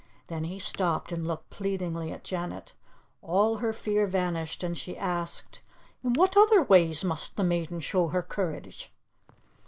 Then he stopped, and looked pleadingly at Janet. All her fear vanished, and she asked, "In what other ways must the maiden show her courage?"